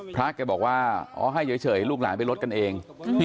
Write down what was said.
พระแกบอกว่าอ๋อให้เฉยลูกหลานไปลดกันเอง